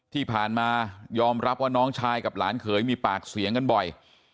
ที่ผ่านมายอมรับว่าน้องชายกับหลานเขยมีปากเสียงกันบ่อย